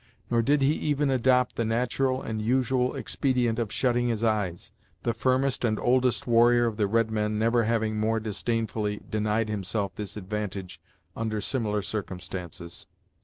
Nor did he even adopt the natural and usual expedient of shutting his eyes, the firmest and oldest warrior of the red men never having more disdainfully denied himself this advantage under similar circumstances.